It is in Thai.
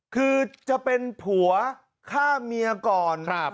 คือจะเป็นผัวฆ่าเมียก่อน